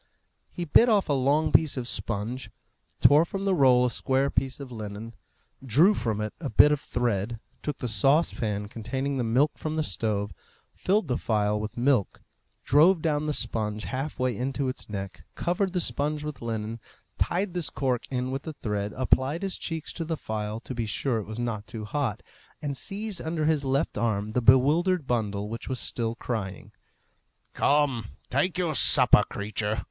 He bit off a long piece of sponge, tore from the roll a square piece of linen, drew from it a bit of thread, took the saucepan containing the milk from the stove, filled the phial with milk, drove down the sponge halfway into its neck, covered the sponge with linen, tied this cork in with the thread, applied his cheeks to the phial to be sure that it was not too hot, and seized under his left arm the bewildered bundle which was still crying. "Come! take your supper, creature!